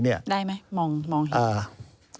ได้ไหมมองเห็น